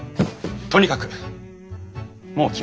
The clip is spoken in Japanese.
とにかくもう決めたから。